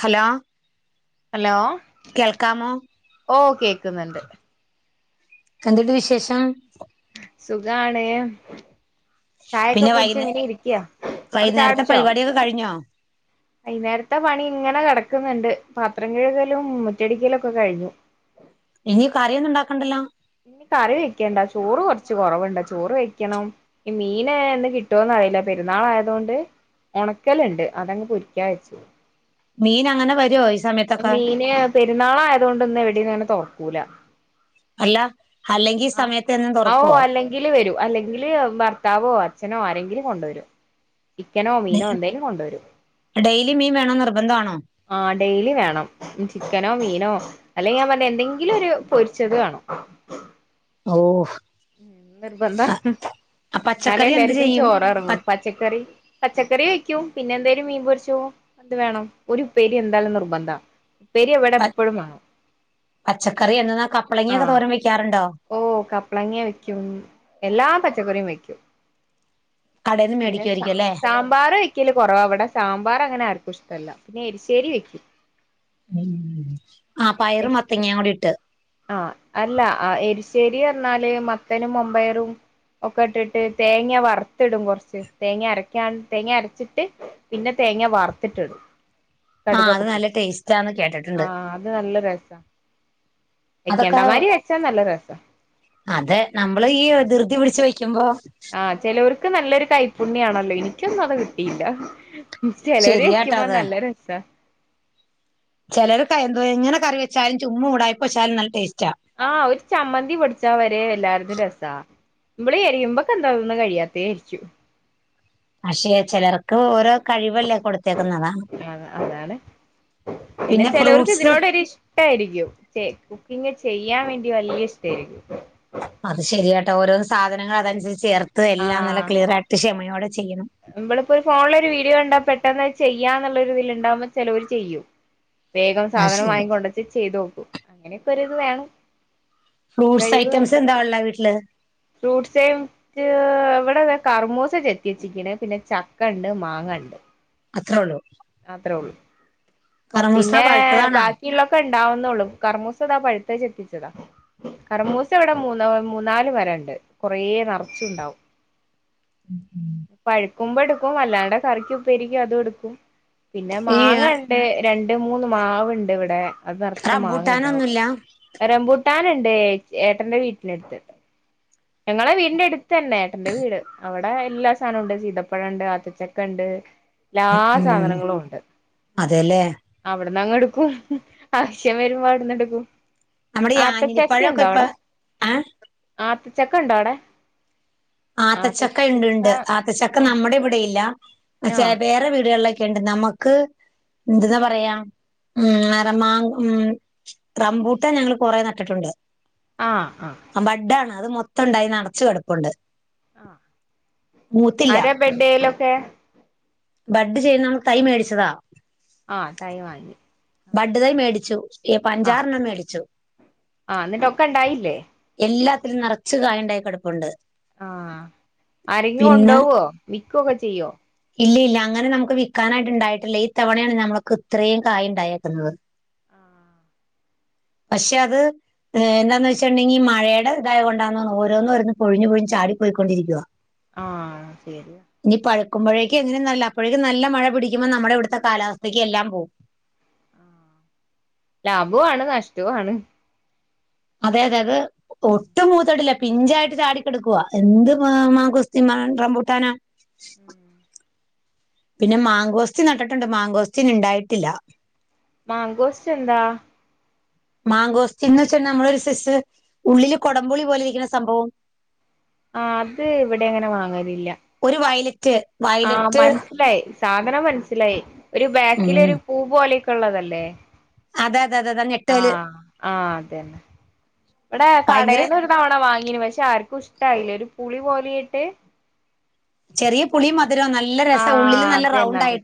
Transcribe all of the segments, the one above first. Hello hello കേൾക്കാമോ ഓ കേക്കുന്നുണ്ട് എന്തുണ്ട് വിശേഷം സുഖാണേ ചായൊക്കെ പിന്നെ കുടിച്ച് വൈകുന്നേ ഇങ്ങനെ ഇരിക്കയാ അവിടെ വൈകുന്നേരത്തെ ചാടിച്ചോ പരിപാടിയൊക്കെ കഴിഞ്ഞോ വൈന്നേരത്തെ പണി ഇങ്ങനെ കിടക്ക ക്കുന്നുണ്ട് പാത്രം കിഴുകലും മുറ്റടിക്കലൊക്കെ കഴിഞ്ഞു ഇനി കറിയൊന്നും ഉണ്ടാക്കണ്ടല്ലോ ഇനി കറി വെക്കണ്ട ചോറ് കുറച്ച് കുറവുണ്ട് ചോറ് വെക്കണം മീന് ഇന്ന് കിട്ടുവോന്ന് അറിയില്ല പെരുന്നാളായതൊണ്ട് ഉണക്കലുണ്ട് അതങ്ങ് പൊരിക്കാ വെച്ചു മീൻ അങ്ങനെ വരുവോ ദി മീന് പെരുന്നാളായതു കൊണ്ട് ഇന്ന് ഇവിടങ്ങനെ തുറ കൂല അല്ല അല്ലെങ്കി ഈ ആ സമയത്ത് എന്നും ഓ തുറക്കുവോ അല്ലെങ്കില് വരൂ അല്ലെങ്കില് ഭർത്താവോ അ അച്ഛനോ ആരെങ്കിലും കൊണ്ടുവരും ചിക്കനോ മീനോ എന്തേലും കൊണ്ടുവരും ഡെയിലി മീൻ വേണോന്ന് നിർബന്ധമാണോ ആ ഡെയ്ലി വേണം ചിക്കനോ മീനോ നോ അല്ലെങ്കി ഞാൻ പറഞ്ഞ എന്തെങ്കിലും ഒരു പൊരിച്ചത് വേണം ഓ ഉം നിർബന്ധവാ എന്നാലേ പച്ചക്കറി എന്ത് എല്ലാവർക്കും ചെയ്യും ചോറ് പ ഇറങ്ങൂ പച്ചക്കറി പച്ചക്കറി. ക്കും പിന്നെ എന്തായാലും മീൻ പൊരിച്ചതും എന്ത് വേണം ഒരു ഉപ്പേരി എന്തായാലും നിർബന്ധവാ. ഉപ്പേരി ഇവിടെ പ എപ്പോഴും വേണം. പച്ചക്കറി എന്നാ. കപ്പളങ്ങ ആ ഒക്കെ തോരൻ വെക്കാറുണ്ടോ. ഓ കപ്പളങ്ങ വെക്കും. എല്ലാ പച്ചക്കറിയും വെക്കും. കടേന്ന് പിന്നെ സാ മേടിക്കുവായിരിക്കും അല്ലേ സാമ്പാർ വെക്കല് കുറവാ, ഇവിടെ സാമ്പാർ അങ്ങനെ ആർ ഇഷ്ടല്ല പിന്നെ എരിശ്ശേരി വെക്കും. ഉം ആഹ് പയറ് എരി മത്തങ്ങ കൂടി ഇട്ട്. ആഹ് അല്ല ആഹ് എരിശ്ശേരി പറഞ്ഞാല് മത്തനും മമ്പയറും ഒക്കെ ഇട്ടിട്ട് തേങ്ങ വറുത്തിടും കൊറച്ച് തേങ്ങ അരക്കാൻ തേങ്ങ അരച്ചിട്ട് പിന്നെ തേങ്ങ വറുത്തിട്ട് ഇടും. ആഹ് കടുക് അത് ഒക്കെ നല്ല പൊടിച്ചിട്ട് ടേസ്റ്റാന്ന് കേട്ടിട്ടുണ്ട് ആഹ് അത് നല്ല രസ. അതൊക്കെ അതെ നമ്മള് ഈ ധൃതിപിടി ചോദിക്കുമ്പോ. ആഹ് ചിലവർ ക്ക് നല്ലൊരു കൈപ്പുണ്യം ആണല്ലോ, എനിക്കൊന്നും അത് കിട്ടിയില്ല. ചെലവര് ശരിയാട്ടോ വെക്കുമ്പോ നല്ല രസാ ചിലർ എന്തോ ഇങ്ങനെ കറി വെച്ചാലും ചുമ്മ ഉടായിപ്പച്ചാലും നല്ല ടേസ്റ്റ് ആ ഒരു ചമ്മന്തി പൊടിച്ചാ വരെ എല്ലാർത്തും രസാ ന്മള് എരിയുമ്പൊ എന്തോന്നേന്ന് കഴിയാത്തേ ആയിരിക്കും പക്ഷെ ചിലർക്ക് ഓരോ കഴിവല്ലേ കൊടുത്തേക്കുന്നതാണ് ആ അതാണ് പിന്നെ ചിലവർക്ക് ഇതിനോട് ഒരു ഇഷ്ട്ടായിരിക്കും കുക്കിംഗ് ചെയ്യാൻ വേണ്ടി വലിയ ഇഷ്ട്ടായിരിക്കും അത് ശരിയാട്ടോ ഓരോ- സാധനങ്ങൾ അതിനനുസരിച്ചു ചേ - അത് എല്ലാം നല്ല ആഹ് ക്ലിയറായിട്ട് ക്ഷമി- ഞ്ഞോട് നമ്മളിപ്പോ ഒരു ഫോണില് ഒരു വീഡിയോ കണ്ടാ പെട്- പെട്ടെന്ന് ചെയ്യാ എന്നുള്ളൊരീതു ഉണ്ടാവുമ്പോ ചിലർ ചെയ്യും വേഗം അത് സാധനം ശരിയാ വാങ്ങി കൊണ്ടെച്ച് ചെയ്തു നോക്കും അങ്ങനെ ഇപ്പൊരു ഇത് വേണം ഫ്രൂട്ട്സ് കഴിവ് ഐറ്റംസ് വേണം എന്താ ഉള്ള വീട്ടില് ഫ്രൂട്ട്സേം ക് അവള് കർമോസ ചെത്തി ചിക്കന് പിന്നെ ചക്ക ഇണ്ട് മാങ്ങ ഇണ്ട് അത്ര ഉള്ളൂ കറമൂസ പിന്നെ പഴുത്തതാണാ ബാക്കിയുള്ളൊക്കെ ഉണ്ടാവുന്നുള്ളു കർമ്മൂസതാ പഴു ചെത്തിച്ചതാ കർമൂസ ഇവടെ മൂന്ന് മൂന്നാല് മരണ്ട് കൊറേ നറച്ചുണ്ടാവും. ഉം ഉം ക്കുമ്പോ എടുക്കും അല്ലാണ്ടേ കറിക്ക് ഉപ്പേരിക്ക് അതും എടുക്കും പിന്നെ ഈ മാങ്ങണ്ട് രണ്ട് മൂന്ന് മാവ്ണ്ട് ഇവടെ അത് നെറച്ച് മാങ്ങണ്ടാവും റംബൂട്ടാനൊന്നുമില്ല റംമ്പൂട്ടാനി ഏ ഏട്ടന്റെ വീട്ടിന്റെ അടുത്ത് ഞങ്ങളെ വീടിൻറെ അടു ത്തന്നേ ഏട്ടന്റെ വീട് അവ [unintelligible] എല്ലാ സാനുണ്ട് സീതപ്പഴണ്ട് ആത്തച്ചക്ക ഇണ്ട് എല്ലാ സാധനങ്ങ് അതെല്ലേ അവിടന്ന് അങ്ങ് എടുക്കും ആവശ്യം വരുമ്പോ അവിടുന്ന് എടുക്കും നമ്മടെ ഈ ആത്തച്ചക്ക ആഞ്ഞിലിപ്പഴൊക്കെ ഇപ്പ ഏഹ് ചക്ക ഉണ്ടോവടെ ആത്തച്ചക്ക ണ്ട് ണ്ട് ആത്തച്ചക്ക ആ നമ്മുടെ ഇവിടെയില്ല. ആ ചെ വേറെ വീടുകളിലൊ ണ്ട് നമ്മക്ക് എന്തെന്നാ പറയാ ഉം അറമാ റംമ്പൂട്ടാൻ ഞങ്ങള് കൊറെ നട്ടിട്ടുണ്ട്. ആ ആ ബഡാണ് അത് മൊത്തം ഉണ്ടായി നറച്ചു കിടപ്പുണ്ട്. ആ മൂത്തില്ല അര ബെടെലൊ റ്റേ ബഡ് ചെയ്യുന്നോട് തൈ മേടിച്ചതാ ആ തൈ വാങ്ങി. ബഡ് തൈ മേടിച്ചു ആഹ് അഞ്ചാറണ്ണം മേടിച്ചു ആഹ് എന്നിട്ടൊക്കെ ഇണ്ടായില്ലേ എല് ഉം നിറച്ച് കായുണ്ടായ് കിടപ്പുണ്ട്. ആഹ് ആരെങ്കിലും പിന്നെ കൊണ്ടാവോ മിക് ക്കൊക്കെ ചെയ്യോ ഇല്ല ഇല്ല അങ്ങനെ നമുക്ക് വിക്കാനായിട്ട് ഇണ്ടായിട്ടില്ല ഈ തവണയാണ് നമ്മക്ക് ഇത്രയും കായ ഉണ്ടയേക്കുന്നത്. പക്ഷെ അത് എന്താന്ന് വെച്ചിട്ടുണ്ടെങ്കിൽ മഴയുടെ ഇതായത് കൊണ്ടാണ് ഓരോന്നും ഓരോന്ന് പൊഴിഞ്ഞു പൊഴിഞ്ഞു ചാടിപ്പോയിക്കൊണ്ടിരിക്കുവാ. ആ ശരിയാ മ്പോഴേക്ക് ഇതിനും നല്ല അപ്പോഴേക്ക് നല്ല മഴ പിടിക്കുമ്പോൾ നമ്മുടെ ഇവിടുത്തെ കാലാവസ്ഥക്ക് എല്ലാം പോകും. ആ ലാഭവുവാണ് നഷ്ടവുവാണ് അതെ അതെ അത് ഒട്ട് [unintelligible] പിഞ്ചായ്ട്ട് ചാടിക്കെടക്കുവാ എന്ത് മാം [unintelligible] റംബുട്ടാന, ഉം പിന്നെ മാങ്കോസ്റ്റ് നട്ട്ട്ടുണ്ട്. മാങ്കോസ്റ്റ് ഇണ്ടായിട്ടില്ല. മാംങ്കോസ്റ്റ് എന്താ? മാങ്കോസ് എന്ന് വെച്ചാ നമ്മളൊരു സിസ് ഉള്ളില് കൊടം പുളി പോലെ ഇരിക്ണ സംഭവം ആ അത് ഇവ്ടെ അങ്ങനെ വാങ്ങലില്ല റ്റ് ആഹ് വയലറ്റ് മനസ്സിലായി സാധനം മനസ്സ്ലായി ഒര് ബാക്കില് ഉം ഒരു പൂ പോലെ ഉള്ളതല്ലേ അതെ അതെ അതെ അതെ ആ ഞെട്ടല് ആ അത് ന്നെ ഇവിടെ ഭയങ്കര കടെന്ന് ഒരു തവണ വാങ പക്ഷെ ആർക്കും ഇഷ്ട്ടാഴില ഒരു പുളി പോലെ ട്ട് ചെറിയ പുളിയും മ ആ അതന്നെ അതെ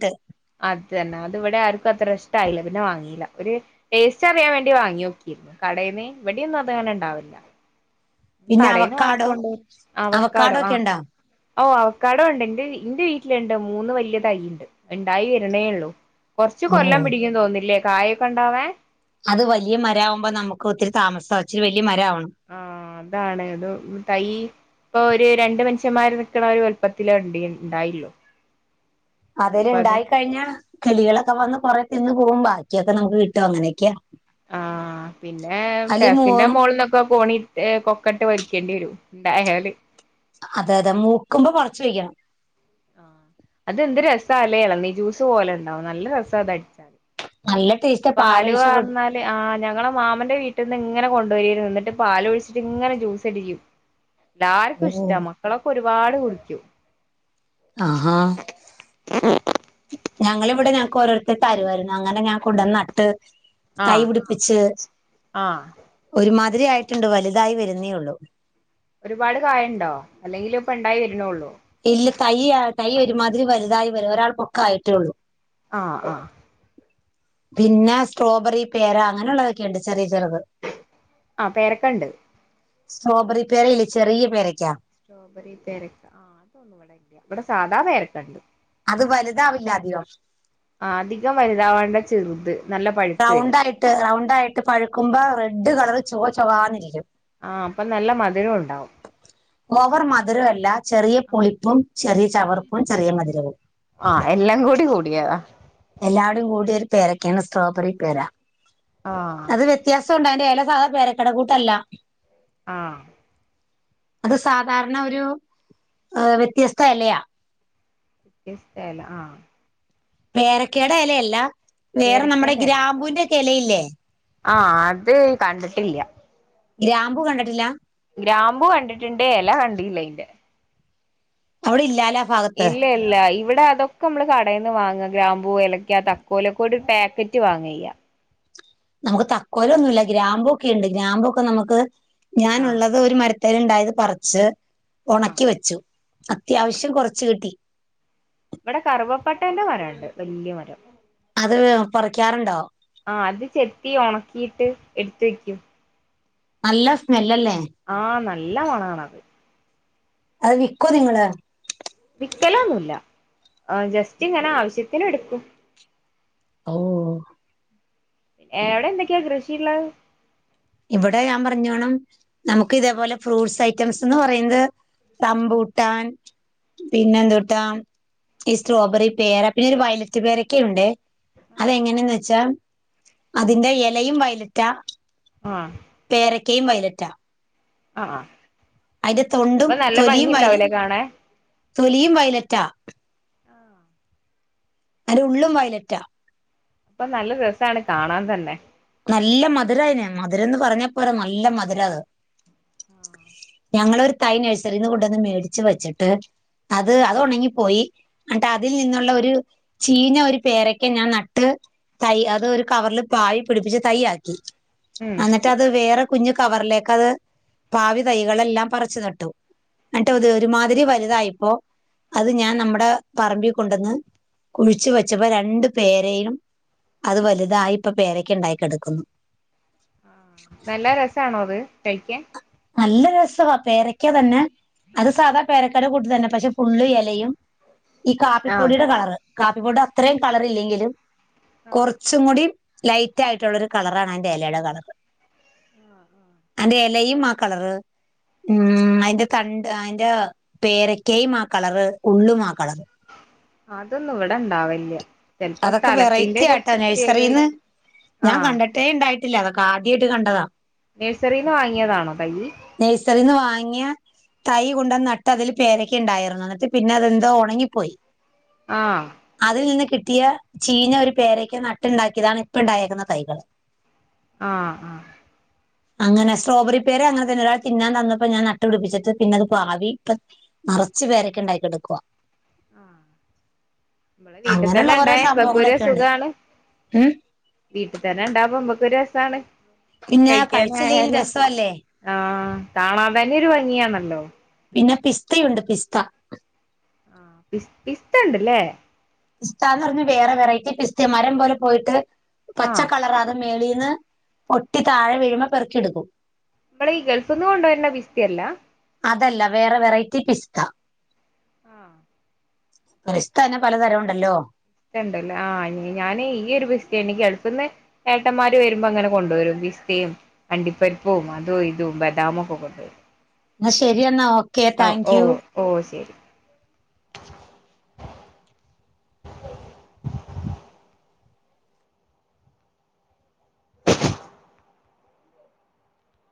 അതന്നെ അത് വിടെ ആ ർക്കും അത്ര ഇഷ്ടായില്ല. പിന്നെ വാങ്ങീല്ല. ഒരു ടേസ്റ്റ് അറിയാൻ വേണ്ടി വാങ്ങി നോക്കിരുന്നു. കടേന്ന് ഇവിട്യാന്നും അത് അങ്ങനെ ഉണ്ടാവൽല്ല. പിന്നെ അവക്കാടോ അവക്കാടോ ഒക്കെ ഉണ്ടോ ഓ അവക്കാഡോ ഇണ്ട്. ഇന്റെ വി ഇന്റെ വീട്ടില്ണ്ട്. മൂന്ന് വല്യ തയ്യ്ണ്ട്. ഇണ്ടായി വരണേള്ളു. കൊറച്ച് ഓ കൊല്ലം പിടിക്കും. തോന്നില്ലേ കായൊക്കെ ഉണ്ടോവാൻ. അത് വലിയ മരാവുമ്പൊ നമുക്ക് ഒത്തിരി താമസാ ഇച്ചിരി വല് ആഹ് അതാണ് അത് തൈ ഇപ്പൊ ഒരു രണ്ട് മൻഷമ്മാര് നിക്കണ ഒരു വൽപത്തിലാ ഇണ്ടേ ഇണ്ടായിള്ളു. അതില് ഇണ്ടായി കഴിഞ്ഞാ കിളികളൊക്കെ വന്ന് കൊറേ തിന്ന് പോവും. ബാക്കിയൊക്കെ നമുക്ക് കിട്ടും. അങ്ങനൊക്കെയാ. ആഹ് പിന്നെ മൂ ടെറസിന്റെ മോള്ന്നൊക്കെ കോണിട്ട് കൊക് ക്ക്ട്ട് വലിക്കേണ്ടി വരും ഇണ്ടായാല്. അതെ അതെ മൂക്കുമ്പോ പറച്ച് വെക്കണം ആഹ് അതെന്ത് രസാല്ലേ? എളനീ ജ്യൂസ് പോലെ ഇണ്ടാവും. നല്ല രസാ അതടിച്ചാല്. നല്ല ടേസ്റ്റ് പാല് പാലൊഴിച്ച് കൊടു വാർന്നാല്, ആ ഞങ്ങളെ മാമന്റെ വീ ട്ട്ന്ന് ഇങ്ങനെ കൊണ്ടുവരേര്ന്നു. എന്നിട്ട് പാല് ഒഴിച്ചിട്ട് ഇങ്ങനെ ജൂസടിക്കും. എല്ലാർക്കു ഓ ഇഷ്ടാ മക്കളൊക്കെ ഒരുപാട് ഇട്ട് കുടിക്കും ആഹാ. ഞങ്ങളിവിടെ ഞങ് കൊറേയൊക്കെ തരുവാര്ന്നു. അങ്ങനെ ഞാൻ കൊണ്ട് നട്ട് ആഹ് തൈപിടിപ്പിച്ച് ആഹ് ഒരുമാതിരി ആയിട്ട്ണ്ട് വലുതായി വര് എന്നെ ഒള്ളു ഒരുപാട് കായണ്ടോ? അല്ലെങ്കില് ഇപ്പ ഇണ്ടായി വര്ണൊള്ളോ? ഇല്ല തയ്യാ തൈ ഒരുമാതിരി വല്തായി വര ഒരാൾ പൊക്കായിട്ടെള്ളൂ ആ ആ പിന്നെ സ്ട്രോബറി, പേര അങ്ങനൊള്ളതൊക്കെയുണ്ട് ചെറിയ ചെ അ പേരക്കണ്ട് സ്ട്രോബറി പേരയില്ലെ ചെറിയ പേരക്കാ സ്ട്രോബറി പേരക്ക ആഹ് അതൊന്നു ഇവടെ ഇല്ല. ഇവടെ സാധാ പേരക്ക ഇണ്ട്. അത് വല്താവില്ലാധികം ആ അധികം വല്താവണ്ട ചെറ്ത്. റൗണ്ടായിട്ട് റൗണ്ടായിട്ട് പഴ്ക്ക്മ്പോ റെഡ്ഡ് കളറ് ചൊവ ചൊവാന്നിരിക്കും ആഹ് അപ്പൊ നല്ല മധുരം ഉണ്ടാവും ഓവർ മധുരൊല്ല ചെറിയ പുളിപ്പും ചെറിയ ചവർപ്പും ചെറിയ മധുരവും ആ എല്ലാം കൂടി കൂടിയോ എല്ലാടും കൂടിയൊരു പേരക്കയാണ് സ്ട്രോബെറി പേര ആഹ് അത് വ്യത്യാസൊണ്ട് അയിന്റെല പേരക്കേട കൂട്ടല്ല ആ അത് സാധാരണ ഒരു വ്യത്യസ്തയെലയാ വ്യത്യസ്തയെല ആ പേരക്കയടെയെലയല്ല വേറെ നമ്മുടെ പേരക്കേന്റെ ഗ്രാമ്പുന്റെക്കലയില്ലേ ആ അത് കണ്ടിട്ടില്ല ഗ്രാമ്പൂ കണ്ടിട്ടില്ലാ ഗ്രാമ്പൂ കണ്ടിട്ടണ്ട് എല കണ്ടീല്ലയിന്റെ അവിടെയില്ലാലാ ആ ഭാഗത്ത് ഇവിടതൊക്കെ നമ്മള് കടെന്ന് വാങ്ങ ഗ്രാംമ്പൂ ഏലക്ക തക്കോലൊക്കൊരു പാക്കറ്റ് വാങ്ങയ ചെയ്യാ നമുക്ക് തക്കോലൊന്നുല്ല ഗ്രാമ്പൂക്കെണ്ട് ഗ്രാമമ്പൂക്കെ നമക്ക് ആഹ് ഞാനുള്ളത് ഒരു മര തല്ണ്ടായത് പർച്ച് ആഹ് ഉണക്കിവെച്ചു അത്യാവശ്യം കുറച്ച് കിട്ടി ഇവിടെ കറുവപ്പട്ടേന്റെ മരംണ്ട് വല്യമരം അത് പറിക്കാറുണ്ടോ ആ അത് ചെത്തി ഉണക്കിയിട്ട് എടുത്ത് വെക്കും നല്ല സ്മെല്ലല്ലേ ആ നല്ല മണാണത് അത് വിക്കോ നിങ്ങള് ആ ജസ്റ്റ് ഇങ്ങനെ ആവശ്യത്തിന് എട്ക്കും ഓ എവിടെ എന്തൊക്കെയാ കൃഷിള്ളെ ഇവിടെ ഞാൻ പറഞ്ഞോണം നമക്ക് ഇതേപോലെ ഫ്രൂട്ട്സ് ഐറ്റംസ്ന്ന് പറയന്നത് റംമ്പൂട്ടാൻ പിന്നെ ന്തുട്ടാ ഈ സ്ട്രോബെറി പേരാ പിന്നെ ഒരു വയലറ്റ് പേരക്കെ ഉണ്ട് ആഹ് അതെങ്ങനെയന്ന് വെച്ചാ അതിന്റെ എ ലയും വൈലറ്റ ആഹ് ക്കേം വൈലറ്റാ അ ആഹ് അയ്ന്റെ തൊണ്ടും അപ്പൊ നല്ല ഭംഗി തൊലിയും വയല ഉണ്ടാവൂലേ കാണാൻ തൊലിയും വൈലറ്റാ അയ്ന്റെ ഉള്ളും വൈലറ്റാ അപ്പൊ നല്ല രസാണ് കാണാൻ തന്നെ നല്ല മധുരായിന് മധുരമെന്ന് പറഞ്ഞാ പോരാ നല്ല മധുരവാ അത് ഞങ്ങളൊരു തൈ നഴ്സറീന്ന് കൊണ്ടുവന്ന് മേടിച്ചു വെച്ചിട്ട് അത് അത് ഉണങ്ങിപ്പോയി എന്നിട്ട് അതിൽ നിന്നുള്ള ഒരു ചീഞ്ഞ ഒരു പേരക്ക ഞാൻ നട്ട് തൈ അത് ഒരു കവറില് തൈ പിടിപ്പിച്ച് തൈയ്യാക്കി ഉം അന്നിട്ട് അത് വേറെ കുഞ്ഞ് കവറിലേക്ക് അത് പാകിയ തൈകളെല്ലാം പറിച്ചു നട്ടു എന്നിട്ട് ഉം അത് ഒരുമാതിരി വലു തായിപ്പോ അത് ഞാൻ നമ്മുടെ പറമ്പിൽ കൊണ്ടുന്ന് കുഴിച്ച് വെച്ചപ്പോ രണ്ട് പേരയും അത് വലുതായി ഇപ്പോ പേര ക്ക ഉണ്ടായി കിടക്കുന്നു നല്ല രസാണോ അത് കഴിക്കാൻ നല്ല രസവാ പേരക്ക തന്നെ അത് സാധാ പേര ക്കാടെ കൂട്ട് തന്നെ പക്ഷെ ഫുള്ള് ഇലയും ഈ ആഹ് കാപ്പിപ്പൊടിയുടെ കളറ് കാപ്പിപൊടീടെ അത്രയും കളർ ഇല്ലെങ്കിലും ആഹ് കുറച്ചും കൂടി ലൈറ്റ് ആയിട്ടുള്ളൊരു കളറാണ് അതിന്റെ ഇലയുടെ കളറ്. ആഹ് ആഹ് ലയുംമ കളർ ഇം അതിന്റെ തണ്ട് അതിന്റെ പേരക്കയും ആ കളറ് ഉള്ളും ആ കളറ് അതൊന്നും ഇവിടെ ഇണ്ടാവില്ല. ചിലപ്പോ അതൊക്കെ സ്ഥലത്തിന്റെ വെറൈറ്റി ഒരു ആയിട്ടാ നഴ്സറിന്ന് പ്രത്യേകായിരിക്കും ആഹ്. ട്ടില്ല അതൊക്കെ ആദ്യായിട്ട് കണ്ടതാ. നേഴ്സറീന്ന് വാ ങ്ങിയതാണോ തയ്യ്? ങ്ങിയ തൈ കൊണ്ട് നട്ട് അതില് പേരക്കെ ഇണ്ടായിരുന്നു. എന്നിട്ട് പിന്നെ അതെന്തോ ഒണങ്ങിപ്പോയി. ആഹ് കിട്ടിയ ചീഞ്ഞ ഒരു പേരക്ക നട്ടുണ്ടാക്കിയതാണ് ഇപ്പ ഇണ്ടായേക്കുന്ന തൈകള് ആ ആ അങ്ങനെ സ്ട്രോബെറി പേരെ അങ്ങനെ തന്നെ ഒരാൾ തിന്നാൻ തന്നപ്പോ ഞാൻ നട്ടു പിടിച്ചിട്ട് പിന്ന അത് പാവി ഇപ്പ നറച്ച് പേരക്ക ഉണ്ടായി കെടക ആ നമ്മടെ വീട്ടിൽ അങ്ങനെയുള്ള തന്നെ ഓരോ ഇണ്ടായ ക്കൊരു സംഭവങ്ങളൊക്കെ ഉണ്ട് സുഖാണ് ഉം വീട്ടി തന്നെ ഉണ്ടാവ്മ്പോ നമ്മോകൊര് സാണ് പിന്നെ കഴിക്കാന കഴിച്ചില്ലേലും ആയാലോ രസമല്ലേ ആ കാണാൻ തന്നെ ഒരു ഭംഗിയാണല്ലോ പിന്നെ പിസ്തയുണ്ട് പിസ്ത ആ പി പിസ്ത ഇണ്ട്ല്ലേ പിസ്താന്ന് പറഞ്ഞഞ് വേറെ വെറൈറ്റി പിസ്ത മരം പോലെ പോയിട്ട് ആ പച്ച കളറ അത് മേളിൽ ന്ന് പൊട്ടി താഴെ വീഴുമ്പോ പെറ്ക്കിടുക്കും നമ്മള് ഈ ഗൾഫ് നിന്ന് കൊണ്ടുവരുന്ന പിസ്തല്ല അതല്ല വേറെ വെറൈറ്റി പിസ്ത ആ പിസ്തന്നെ പലതരംണ്ടല്ലോ ഉണ്ടല്ലോ ആ ഞാന് ഈയ ഒരു പിസ്ത എനിക്ക് ഗൾഫ്ന് ഏട്ടന്മാര് വരുമ്പോ അങ്ങനെ കൊണ്ടോരും പിസ്തയും അണ്ടിപ്പരിപ്പും അതും ഇതും ബദാമും ഒക്കെ കൊണ്ടുവരും എന്ന ശെരിയെന്ന ഓ ഓ ഓ ഓ ശെരി [inaudible]